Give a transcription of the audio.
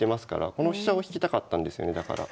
この飛車を引きたかったんですよねだから。